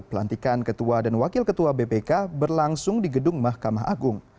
pelantikan ketua dan wakil ketua bpk berlangsung di gedung mahkamah agung